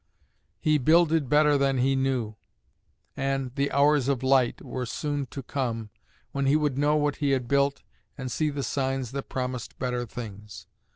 He "builded better than he knew"; and the "hours of light" were soon to come when he would know what he had built and see the signs that promised better things.